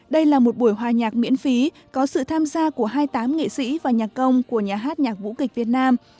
đây là một buổi hòa nhạc miễn phí có sự tham gia của hai mươi tám nghệ sĩ và nhạc công của nhà hát nhạc vũ kịch việt nam